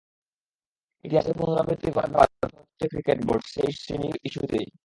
ইতিহাসের পুনরাবৃত্তি ঘটাতে বাধ্য হচ্ছে ভারতীয় ক্রিকেট বোর্ড, সেই শ্রীনি ইস্যুতেই।